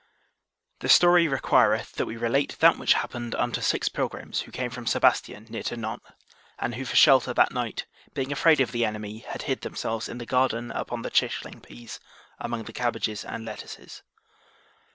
The story requireth that we relate that which happened unto six pilgrims who came from Sebastian near to Nantes, and who for shelter that night, being afraid of the enemy, had hid themselves in the garden upon the chichling peas, among the cabbages and lettuces.